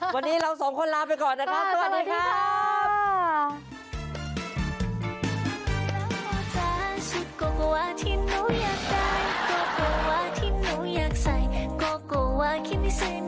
วันนี้เราสองคนลาไปก่อนนะครับสวัสดีครับ